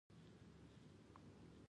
افغانستان د خپلو پسونو له مخې پېژندل کېږي.